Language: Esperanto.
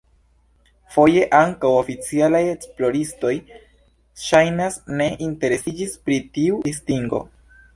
Foje, ankaŭ oficialaj esploristoj ŝajnas ne interesiĝis pri tiu distingo.